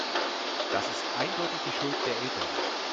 Das ist eindeutig die Schuld der Eltern.